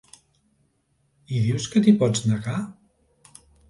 I dius que t'hi pots negar?